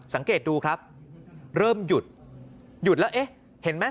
สังเกตดูครับเริ่มหยุดหยุดแล้วเอ๊ะเห็นไหม